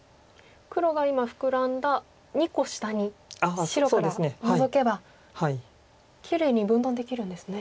黒が今フクラんだ２個下に白からノゾけばきれいに分断できるんですね。